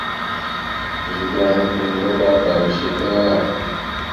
Zigəla mofoləvoro barəka ameshekeŋala.